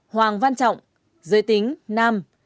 hoàng văn trọng giới tính nam